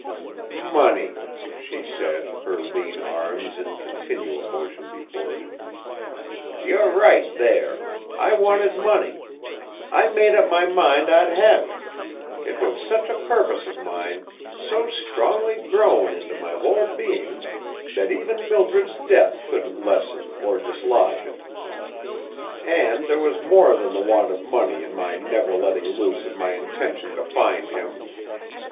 "Money!" she said, her lean arms in continual motion before him. "You're right, there. I wanted money. I made up my mind I'd have it. It was such a purpose of mine, so strongly grown into my whole being, that even Mildred's death couldn't lessen or dislodge it. And there was more than the want of money in my never letting loose of my intention to find him.